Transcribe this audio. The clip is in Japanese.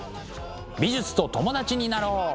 美術と友達になろう！